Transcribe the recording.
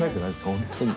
本当に。